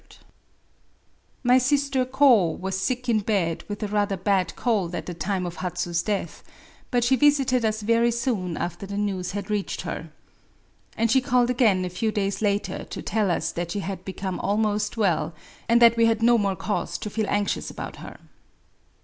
Digitized by Google lit A WOMAN'S DIARY — My sister Ko was skk in bed with a rather bad cold at the time of Hauu*s death ; but she visited us Ttry soon after the news had reached her. And she called again a few days later to tdl us that she had become almost well) and that we had no more cause to feel anxious about her.